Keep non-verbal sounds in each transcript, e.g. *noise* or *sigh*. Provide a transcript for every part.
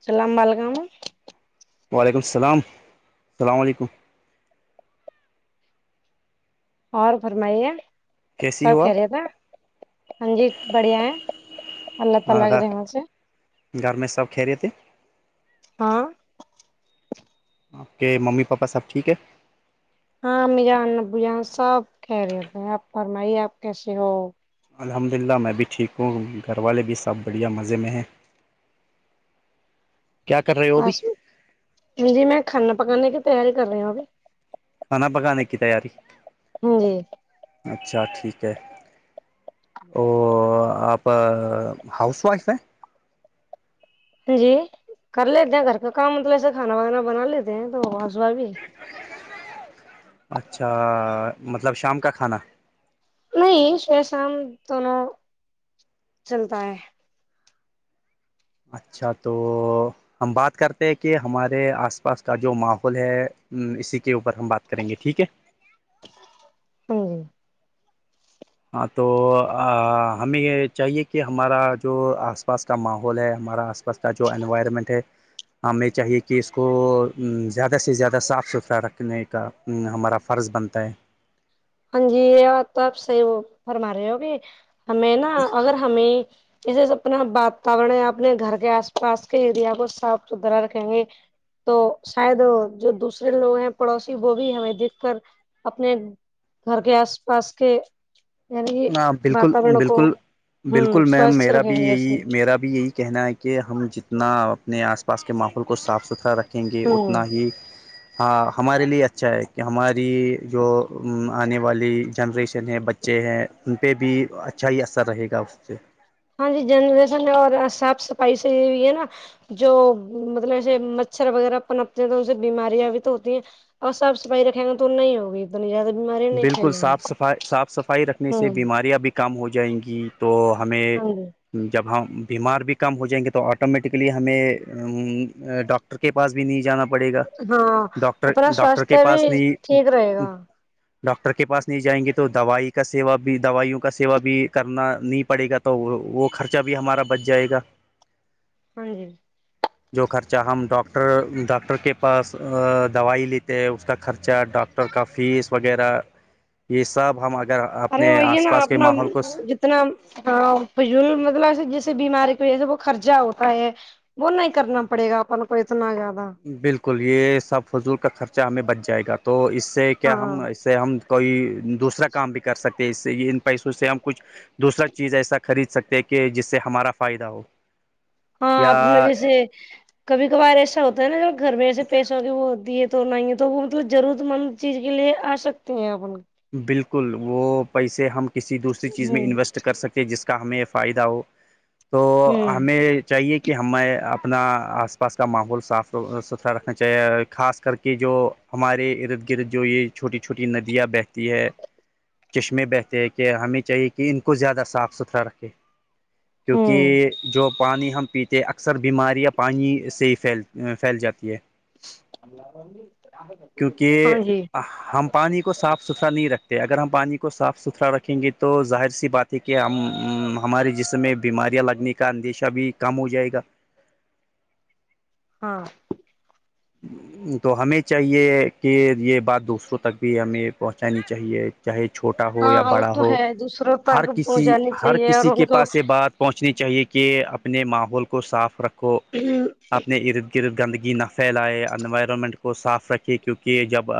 السلام علیکم وعلیکم السلام السلام علیکم اور فرمائیے کیسی سب ہو خیرت ہے ہاں جی بڑھیا ہے اللہ آپ تعالی کے رحم سے گھر میں سب کہہ رہے تھے ہاں آپ کے ممی پاپا سب ٹھیک ہے ہاں امی جان آبو جان سب خیریت ہے آپ فرمائیے آپ کیسے ہو الحمد للہ میں بھی ٹھیک ہوں گھر والے بھی سب بڑھیا مزے میں ہیں کیا کر رہے ہو ابھی بس جی میں کھانا پکانے کی تیاری کر رہی ہوں ابھی کھانا پکانے کی تیاری جی اچھا ٹھیک ہے او آپ ہاؤس وائف ہے جی کر لیتے ہیں گھر کا کام مطلب ایسے کھانا وانا بنا لیتے ہیں تو صبح بھی اچھا مطلب شام کا کھانا نہیں صبح شام دونوں چلتا ہے اچھا تو ہم بات کرتے ہیں کہ ہمارے آس پاس کا جو ماحول ہے اسی کے اوپر ہم بات کریں گے ٹھیک ہے تو ہاں تو ہمیں یہ چاہیے کہ ہمارا جو آس پاس کا ماحول ہے ہمارا آس وستا جو انوائرمنٹ ہے ہمیں چاہیے کہ اس کو زیادہ سے زیادہ صاف ستھرا رکھنے کا ہمارا فرض بنتا ہے ہاں جی یہ بات تو آپ صحیح فرما رہے ہو ابھی ہمیں نا اگر ہمیں جسے اپنا واتاورن ہے اپنے گھر کے آس پاس کے ایریا کو صاف ستھرا رکھیں گے تو شاید جو دوسرے لوگ ہیں پڑوسی وہ بھی ہمیں دیکھ کر اپنے گھر کے آس پاس کے یعنی کہ ہاں بالکل واتاورن کو بالکل ہوں بالکل میم سوستھ میرا رکھیں بھی گے یہی ایسے میرا یہی کہنا ہے کہ ہم جتنا اپنے آس پاس کے ماحول کو کو صاف ستھرا رکھیں گے ہوں اتنا ہی ہاں ہمارے لیے اچھا ہے کہ ہماری جو آنے والی جنریشن ہے بچے ہیں ان پہ بھی اچھا ہی اثر رہے گا اس سے ہاں جی جنریشن اور صاف صفائی سے بھی ہے نا جو مطلب ایسے مچھر وغیرہ پنپتے ہیں تو ان سے بیماریاں بھی تو ہوتی ہیں اور صاف صفائی رکھیں گے تو نہیں ہوگی اتنی زیاد بیماری *unintelligible* بالکل صاف صف صاف صفائی رکھنے سے ہوں بیماریاں بھی کم ہو جائیں گی تو ہمیں ہاں جی جب ہم بیمار بھی کم ہو جائیں گے تو آٹومیٹکلی ہمیں ڈاکٹر کے پاس بھی نہیں جانا پڑے گا ہاں ڈاکٹر اپنا ڈاکٹر سواستھ کے بھی پاس نہیں ٹھیک رہے گا ڈاکٹر کے پاس نہیں جائیں گے تو دوائی کا سیوا بھی دوائیوں کا سیو بھی کرنا نہیں پڑے گا تو وہ خرچہ بھی ہمارا بچ جائے گا ہاں جی جو خرچہ ہم ڈاکٹر ڈاکٹر کے پاس دوائی لیتے ہیں اس کا خرچہ ڈاک ڈاکٹر کا فیس وغیرہ یہ سب ہم اگر اپنے آس پاس کے ماحول کو اتنا فجول مطلب جیسے بیماری کی وجہ سے وہ خرچہ ہوتا ہے وہ نہیں کرنا پڑے گا اپن کو اتنا زیادہ بالکل یہ سب فضول کا خرچہ ہمیں بچ جائے گا تو اس سے کیا ہاں ہم اس اسے ہم کوئی دوسرا کام بھی کر سکتے ہیں اس سے ان پیسوں سے ہم کچھ دوسرا چیز ایسا خرید سکتے ہیں کہ جس سے ہمارا فائدہ ہو ہاں یا اپنا جیسے کبھی کبھار ایسا ہوتا ہے نا جو گھر میں ایسے پیس اا کہ وہ دیے تو نہیں ہے تو وہ ضرورت مند چیز کے لیے آ سکتے ہیں اپن بالکل وہ پیسے ہم کسی دوسری چیز میں ہوں انویسٹ کر سکتے جس کا ہمیں فائدہ ہو تو ہوں ہمیں چاہیے کہ کہ ہمیں اپنا آس پاس کا ماحول صاف ستھرا رکھنا چاہیے خاص کر کے جو ہمارے ارد گرد جو یہ چھوٹی چھوٹی ندیاں بہت ہے چشمے بہتے ہیں کہ ہمیں چاہیے کہ ان کو زیادہ صاف ستھرا رکھے ہوں کیونکہ جو پانی ہم پیتے اکثر بیماریاں پانی سے ہی پھیل پھیل جاتی ہے اللہ رگ *unintelligible* کیونکہ ہم پانی کو صاف ستھرا ایسا نہیں رکھتے اگر ہم پانی کو صاف ستھرا رکھیں گے تو ظاہر سی بات ہے کہ ہم ہمارے جسم میں بیماریاں لگنے کا اندیشہ بھی کم ہو جائے گا ہاں تو ہمیں چاہیے کہ یہ بات دوسروں تک بھی ہمیں پہنچانی چاہیے چاہے چھوٹا ہو یا ہاں وہ بڑا تو ہو ہے دوسروں ہر تک کسی پہنچانی ہر چاہیے اور کسی ان کے کو پاس یہ بات پہنچنی چاہیے کہ اپنے ماحول کو صاف رکھو اپنے ارد گرد گندگی نہ پھیلائے انوائرمنٹ کو صاف رکھے کیونکہ جب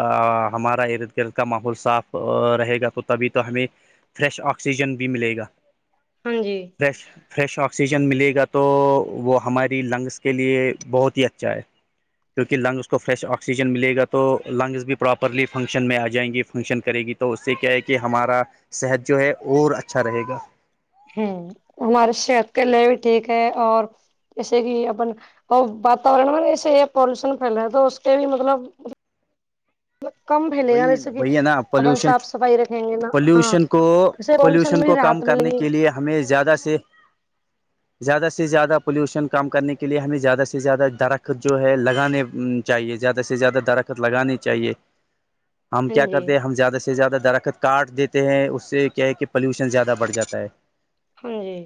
ہمارا ارد گرد کا ماحول صاف رہے گا تو تبھی تو ہمیں فریش آکسیجن بھی ملے گا ہاں جی فریش فریش آکسیجن ملے گا تو وہ ہماری لنگس کے لیے بہت ہی اچھا ہے کیونکہ لنگس کو فریش آکسیجن ملے گا تو لنگز بھی پراپرلی فنکشن میں آ جائیں گی فنکشن کرے گی تو اس سے کیا ہے کہ ہمارا صحت جو ہے اور اچھا رہے گا ہوں ہمارے صحت کے لیے بھی ٹھیک ہے اور جیسے کہ اپن اور واتاورن میں نا ایسے پولوشن پھیلا ہے تو اس کے بھی مطلب کم پھیلے گا وہی ہے ن جیسے کہ وہی ہے نا اپن پولوشن صاف صفائی رکھیں گے نا پولوشن کو اسے پالوشن پولوشن میں بھی کو کم راحت ملے کرنے گی کے لیے ہمیں زیادہ سے *inaudible* زیادہ سے زیادہ پلیوشن کم کرنے کے لیے ہمیں زیادہ سے زیادہ درخت جو ہے لگانے چاہیے زیادہ سے زیادہ درخت لگانی چاہیے ہم ہاں کیا جی کرتے ہیں ہم زیادہ سے زیادہ درخت کاٹ دیتے ہیں اس سے کیا ہے کہ پولوشن زیادہ بڑھ جاتا ہے ہاں جی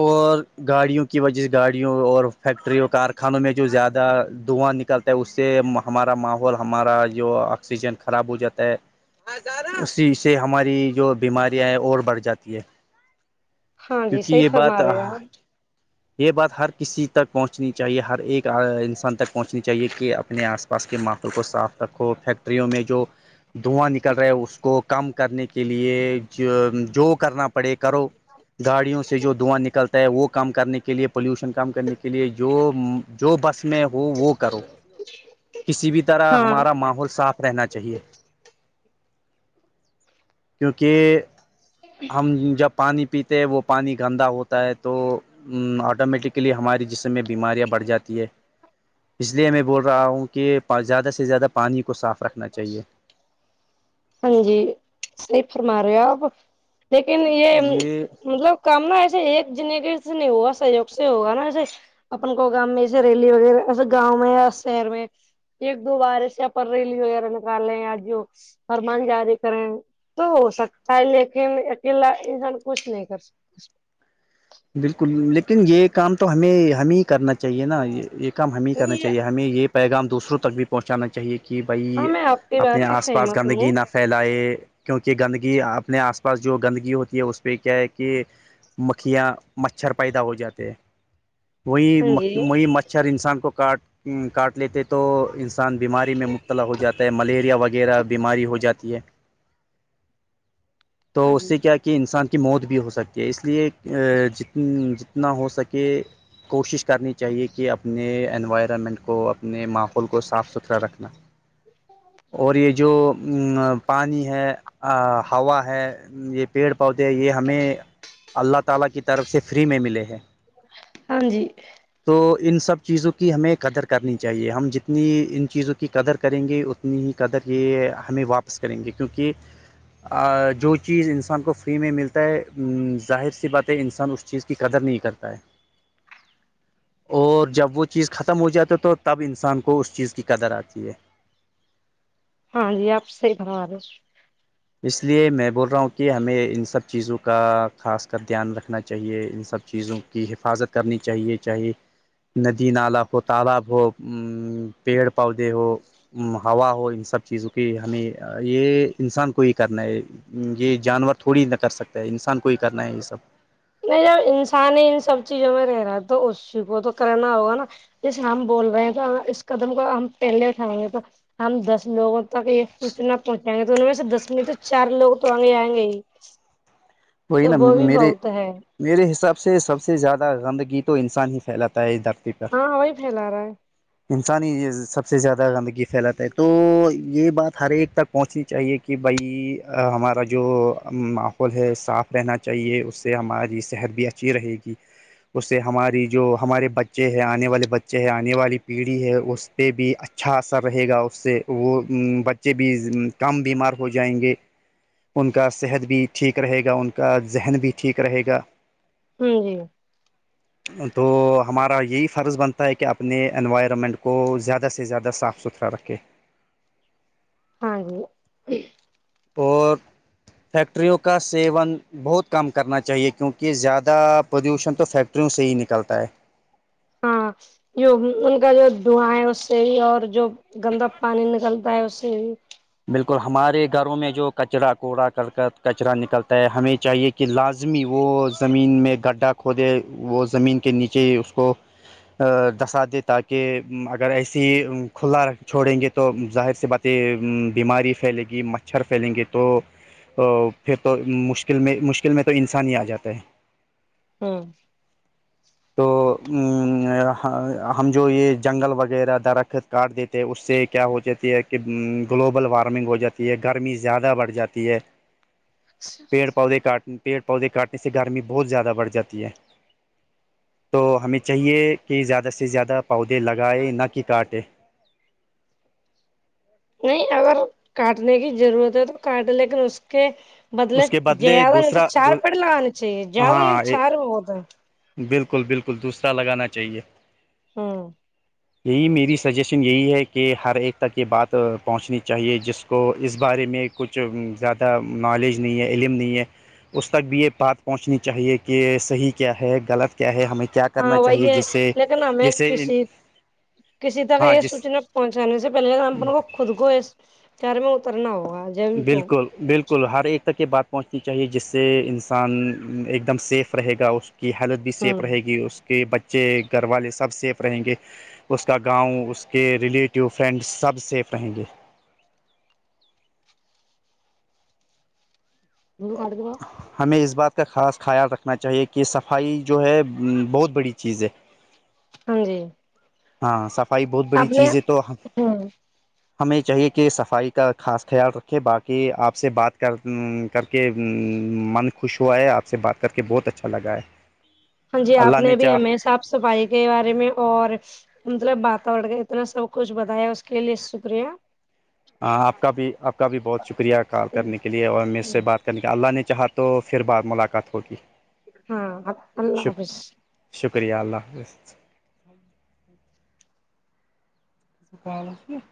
اور گاڑیوں کی وجہ سے گاڑیوں اور فیکٹریوں کارخانوں میں جو زیادہ دھواں نکل تو اس سے ہمارا ماحول ہمارا جو آکسیجن خراب ہو جاتا ہے اسی سے ہماری جو بیماریاں ہیں اور بڑھ جاتی ہے ہاں جی کیونکہ صحیح یہ فرما رہے ہے بات آپ یہ بات ہر کسی تک پہنچنی چاہیے ہر ایک انسان تک پہنچنی چاہیے کہ اپنے آس پاس آس پاس کے ماحول کو صاف رکھو فیکٹریوں میں جو دھواں نکل رہا ہے اس کو کم کرنے کے لیے جو جو کرنا پڑے کرو گاڑیوں سے جو دھواں نکلتا ہے وہ کام کرنے کی کے لیے پولوشن کم کرنے کے لیے جو جو بس میں وہ وہ کرو کسی بھی طرح ہاں ہمارا ماحول صاف رہنا چاہیے کیونکہ ہم جب پانی پیتے وہ پانی گندا ہوتا ہے تو آٹومیٹکلی ہماری جسم میں بیماریاں بڑھ جاتی ہیں اس لیے میں بول رہا ہوں کہ زیادہ سے زیادہ پانی کو صاف رکھنا چ ہاں جی صحیح فرما رہے ہو آپ لیکن یہ مطلب کام نا ایسے ایک جنے گی سے نہیں ہوا سہیوگ سے ہوگا نا ایسے اپن کو گام میں جسے ریلی وغیرہ ایسے گاؤں میں یا شہر میں ایک دو بار سے ریلی وغیرہ نکالے ہیں آ جو فرمان جاری کریں تو ہو سکتا ہے لیکن اکیلا انسان کچھ نہیں کر سکتا بالکل لیکن یہ کام تو ہمیں ہمیں ہی کرنا چاہیے نا یہ ایک ہمیں کرنا نہیں یہ چاہیے ہمیں یہ پیغام دوسروں تک بھی پہنچانا چاہیے کہ کہ بھائی ہاں میں آپ کی اپنے بات سے آس پاس سہمت گندگی ہوں نہ پھیلائے کیونکہ گندگی اپنے آس پاس جو گندگی ہوتی ہے اس پہ کیا ہے کہ مکھیاں مچھر پیدا ہو جاتے ہیں وہی ہاں جی وہی مچھر انسان کو کاٹ کاٹ لیتے تو انسان بیماری میں مبتلا ہو جاتا ہے ملیریا وغیرہ بیماری ہو جاتی ہے *inaudible* تو اس سے جی کیا کہ انسان کی موت بھی ہو سکتی ہے اس لیے جت جتنا ہو سکے کوشش کرنی چاہیے کہ اپنے انوائرن ورنمن ہ میں *unintelligible* اپنے ماحول کو صاف ستھرا رکھنا اور یہ جو پانی ہے ہوا ہے یہ پیڑ پودے یہ ہمیں اللہ تعالی کی طرف سے فری میں ملے ہیں ہاں جی تو ان سب چیزوں کی ہمیں قدر کرنی چاہیے ہم جتنی ان چیزوں کی قدر کریں گے ات قدر یہ ہمیں واپس کریں گے کیونکہ جو چیز انسان کو فری میں ملتا ہے ظاہر سی بات انسان اس چیز کی قدر نہیں کرتا ہے اور جب وہ چیز ختم ہو جاتے تو تب انسان کو اس چیز کی قدر آتی ہے ہاں یہ آپ صحیح فرما رہے اس لیے میں بول رہا ہوں کہ ہمیں ان سب چیزوں کا خاص کر دھیان رکھنا چاہیے ان سب چیزوں کی حفاظت کرنی چاہیے چاہے ندی نال ہو تالاب ہو ا پیڑ پودے ہو ہوا ہو ان سب چیزوں کی ہمیں یہ انسان کوئی کرنا ہے یہ جانور تھوڑی نہ کر سکتا ہے انسان کوئی کرنا ہے یہ سب نہیں جب انسان ہی ان سب چیزوں میں رہ رہا ہے تو اسی کو تو کرنا ہوگا نا جیسے ہم بول رہے ہیں تو اس قدم کو ہم پہلے اٹھائیں گے تو ہم دس لوگوں تک یہ پوچنا پہنچائیں گے تو ان میں سے دس میں تو چار لوگ تو آئ گے آئیں گے ہی وہی تو نا وہ بھی میرے بہت ہے میرے حساب سے سب سے زیادہ گندگی تو انسان ہی پھیلاتا ہے ادھر ہاں وہی پھیلا رہا ہے انسانی سب سے زیادہ گندگی پھیلاتا ہے تو یہ بات ہر ایک تک پہنچنی چاہیے کہ بھائی ہمارا جو ماحول ہے اس صاف رہنا چاہیے اس سے ہماری صحت بھی اچھی رہے گی اس سے ہماری جو ہمارے بچے ہے آنے والے بچے ہے آنے والی پیڑھی ہے اس پہ بھی اچھا اثر رہے گا اس سے وہ بچے بھی کم بیمار ہو جائیں گے ان کا صحت بھی ٹھیک رہے گا ان کا ذہن بھی ٹھیک رہے گا ہوں جی تو ہمارا یہی فرض بنتا ہے کہ اپنے انوائرمنٹ کو زیادہ سے زیادہ صاف ستھرا اترہ رکھے *unintelligible* آہے *unintelligible* اور فیکٹریوں کا سیون بہت کم کرنا چاہیے کیونکہ زیادہ پولیوشن تو فیکٹریوں سے ہی نکلتا ہے ہاں جو ان کا جو دھواں ہے اس سے ہی اور جو گندا پانی نکلتا ہے اس سے بھی بالکل ہمارے گھروں میں جو کچرا کوڑا کرک کچرا نکلتا ہے ہمیں چاہیے کہ کہ لازمی وہ زمین میں گڈھا کھودے وہ زمین کے نیچے اس کو دسا دے تاکہ اگر ایسی کھلا چھوڑیں گے تو ظاہر سےبا بیماری پھیلے گی مچھر پھیلیں گے تو تو پھر تو مشکل میں مشکل میں تو انسان ہی آ جاتا ہے ہاں توآ ہم جو یہ جنگل وغیرہ درخت کاٹ دیتے ہیں اس سے کیا ہو جاتی ہے کہ گلوبل وارمنگ ہو جاتی ہے گرمی زیادہ بڑھ جاتی ہے اچھا *unintelligible* پھر پودے کاٹنے پیڑ پودے کاٹنے سے گرمی بہت زیادہ بڑجاتی ہے تو ہمیں چاہیے کہ زیادہ سے زیادہ پودے لگائےیں نہ کہ کاٹے نہیں اگر کاٹنے کی ضرورت ہے تو کاٹے لیکن اس کے بدلے اس کے زیادہ نہیں تو دوسرا چار دو پٹ لگلنے چاہیے زیادہ نہیں ہاں چار ہوگا بالکل بالکل دوسرا لگانا چاہیے ہاں یہی میری سجیشن یہی ہے کہ ہر ایک تک یہ بات پہنچنی چاہیے جس کو اس بارے میں کچھ زیادہ نالج نہیں ہے علم نہیں ہے اس تک بھی یہ بات پہنچنی چاہیے کہ صحیح کیا ہے غلط کیا ہے ہمیں کیا کرنا ہاں وہی چاہیے ہے جس سے لیکن ہمیں جیسے ان کسی کسی ترہا یہ سوچنا پہنچانے سے پہلے ہم اپ کو خود کو اس شر میں اترنا ہوگا ضرور تو بالکل بالکل ہر ایک تک یہ بات پہنچنی چاہیے جس سے انسان ایک دم سیف رہے گا اس کی ہیلتھ بھی سیف ہوں رہے گی اس کے بچے گھر والے سب سیف رہیں گے اس کا گاؤں اس کے ریلیٹیو فرینڈس سب سیف رہیں گے مجھ تو کھٹ د گا *unintelligible* ہمیں اس بات کا خاص خیال رکھنا چاہیے کہ صفائی جو ہے بہت بڑی چیز ہے ہاں جی ہاں صفائی بہت آپ بڑی نے چیز ہے تو ہوں ہمیں چاہیے کہ صفائی کا خاص خیال رکھے باقی آپ سے بات کر کر کے من خوش ہوا ہے آپ سے بات کر کے بہت اچھا لگا ہے ہاں جی آپ اللہ نے بھی چاہ ہمیں صاف صفائی کے بارے میں اور مطلب باتور کا اتنا سب کچھ بتایا اس کے لیے شکریہ ہ آپ کا بھی آپ کا بھی بہت شکریہ کال کرنے کے لیے اور میر سے بات کہ اللہ نے چاہا تو پھر بعد ملاقات ہوگی ہاں اللہ شک حافظ شکریہ اللہ حافظ ال *inaudible*